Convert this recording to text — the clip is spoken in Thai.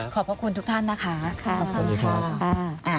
ขอบคุณทุกท่านนะคะ